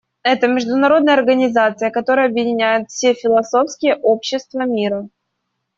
Это международная организация, которая объединяет все философские общества мира.